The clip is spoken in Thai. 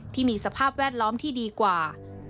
ที่มีสภาพแวดล้อมที่ดีกว่า